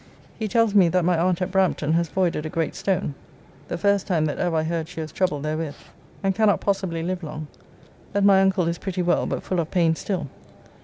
He tells me that my aunt at Brampton has voided a great stone (the first time that ever I heard she was troubled therewith) and cannot possibly live long, that my uncle is pretty well, but full of pain still.